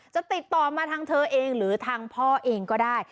จะติดต่อมาทางเธอเองหรือทางพ่อเองก็ได้